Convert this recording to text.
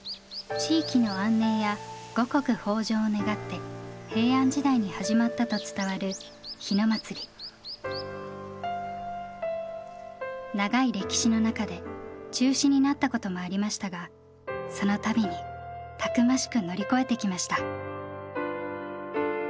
地域の安寧や五穀豊じょうを願って平安時代に始まったと伝わる長い歴史の中で中止になったこともありましたがその度にたくましく乗り越えてきました。